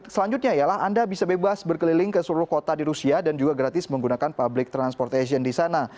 selanjutnya ialah anda bisa bebas berkeliling ke seluruh kota di rusia dan juga gratis menggunakan public transportation di sana